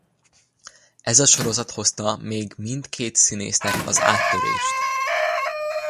Ez a sorozat hozta meg mindkét színésznek az áttörést.